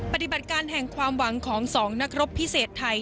ปฏิบัติการแห่งความหวังของ๒นักรบพิเศษไทย